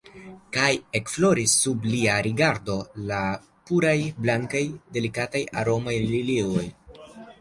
Kaj ekfloris sub lia rigardo la puraj, blankaj, delikataj, aromaj lilioj.